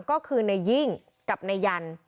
ก็คือในยิ่งกับในยัน